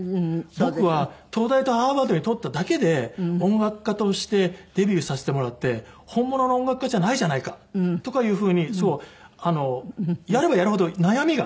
僕は東大とハーバードに通っただけで音楽家としてデビューさせてもらって本物の音楽家じゃないじゃないかとかいうふうにやればやるほど悩みが。